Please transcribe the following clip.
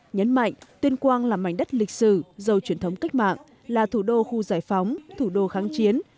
nhấn mạnh tuyên quang là mảnh đất lịch sử giàu truyền thống cách mạng là thủ đô khu giải phóng thủ đô kháng chiến